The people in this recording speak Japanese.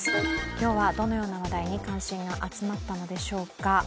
今日はどのような話題に関心が集まったのでしょうか。